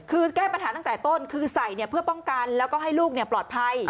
คือแก้ปัญหาตั้งแต่ต้นคือใส่เพื่อป้องกันแล้วก็ให้ลูกปลอดภัย